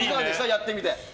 やってみて。